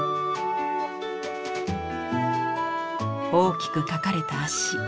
大きく描かれた足。